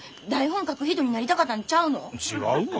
違うわ。